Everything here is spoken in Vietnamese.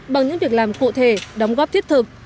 bằng những việc làm cụ thể đóng góp thiết thực